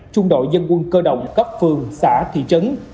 trung đội dân quân cơ động cấp phường xã thị trấn